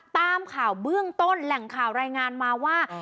ตามข่าวเบื้องต้นแหล่งข่าวรายงานมาว่า